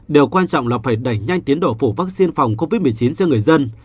điều quan trọng là phải đẩy nhanh tiến đổ phủ vaccine phòng covid một mươi chín cho người dân